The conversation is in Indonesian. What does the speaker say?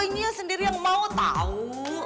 orang boynya sendiri yang mau tau